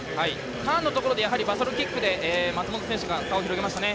ターンのところでバサロキックで松本選手が差を広げました。